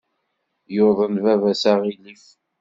Yuḍen baba-s aɣilif.